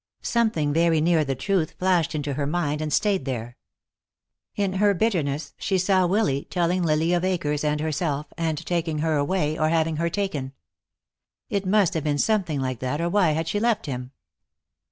Something very near the truth flashed into her mind and stayed there. In her bitterness she saw Willy telling Lily of Akers and herself, and taking her away, or having her taken. It must have been something like that, or why had she left him?